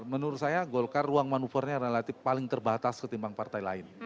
menurut saya golkar ruang manuvernya relatif paling terbatas ketimbang partai lain